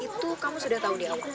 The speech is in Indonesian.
itu kamu sudah tahu di awal